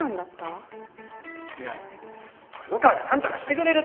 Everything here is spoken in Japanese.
いや黒川がなんとかしてくれるって。